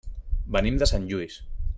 Venim de Sant Lluís.